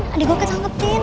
aduh gue kesanggupin